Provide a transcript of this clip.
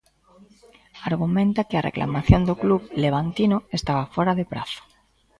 Argumenta que a reclamación do club levantino estaba fóra de prazo.